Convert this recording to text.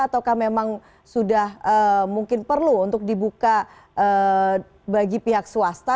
ataukah memang sudah mungkin perlu untuk dibuka bagi pihak swasta